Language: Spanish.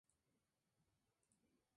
Está ubicada encima de la ionosfera.